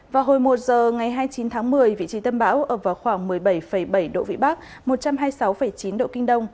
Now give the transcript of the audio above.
vào hồi một giờ ngày hai mươi chín tháng một mươi vị trí tâm bão ở vào khoảng một mươi bảy bảy độ vĩ bắc một trăm hai mươi sáu chín độ kinh đông